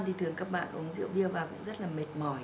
đi thường các bạn uống rượu bia và cũng rất là mệt mỏi